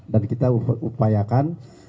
dan kita upayakan